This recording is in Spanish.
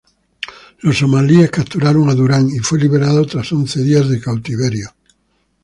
Los somalíes capturaron a Durant y fue liberado tras once días de cautiverio.